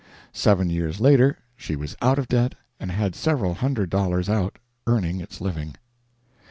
Seven years later she was out of debt and had several hundred dollars out earning its living.